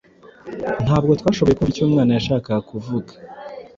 Ntabwo twashoboye kumva icyo umwana yashakaga kuvuga.